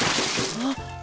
あっ⁉